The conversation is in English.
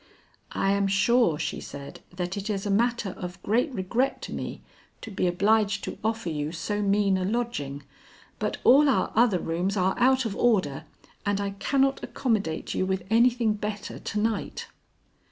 "I am sure," she said, "that it is a matter of great regret to me to be obliged to offer you so mean a lodging, but all our other rooms are out of order, and I cannot accommodate you with anything better to night."